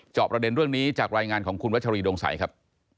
ประเด็นเรื่องนี้จากรายงานของคุณวัชรีดวงใสครับ